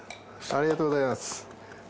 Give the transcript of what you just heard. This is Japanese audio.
ありがとうございます。